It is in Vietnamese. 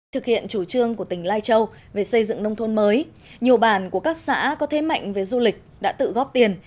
thực hiện chủ trương của tỉnh lai châu về xây dựng nông thôn mới nhiều bản của các xã có thế mạnh về du lịch đã tự góp tiền